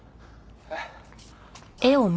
えっ？